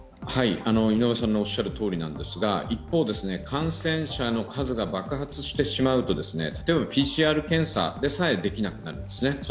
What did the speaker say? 井上さんのおっしゃるとおりですが一方、感染者の数が爆発してしまうと例えばＰＣＲ検査でさえできなくなるんですね。